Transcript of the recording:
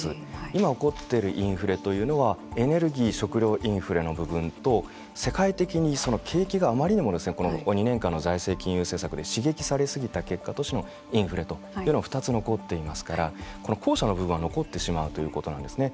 今起こっているインフレというのはエネルギー、食料インフレの部分と世界的に景気があまりにもこの２年間の財政金融政策で刺激され過ぎた結果としてのインフレという２つ残っていますから後者の部分が残ってしまうということなんですね。